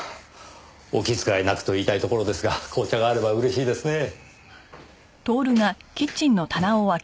お気遣いなくと言いたいところですが紅茶があれば嬉しいですね。